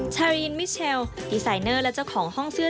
ชารินมิเชลดีไซเนอร์และเจ้าของห้องเสื้อ